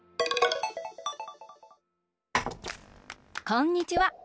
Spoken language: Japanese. こんにちは。